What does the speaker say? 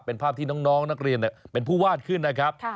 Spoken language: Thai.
เป็นภาพที่น้องนักเรียนเป็นผู้วาดขึ้นนะครับ